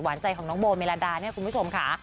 หวานใจของโบเมราดา๑๕ค่ะ